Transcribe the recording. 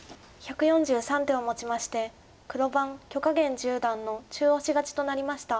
１４３手をもちまして黒番許家元十段の中押し勝ちとなりました。